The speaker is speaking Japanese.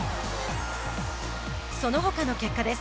そのほかの結果です。